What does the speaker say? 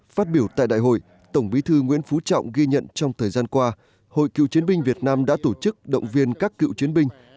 phát biểu tại đại hội tổng bí thư nguyễn phú trọng ghi nhận trong thời gian qua hội cựu chiến binh việt nam đã tổ chức động viên các cựu chiến binh